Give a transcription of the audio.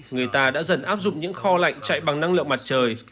người ta đã dần áp dụng những kho lạnh chạy bằng năng lượng mặt trời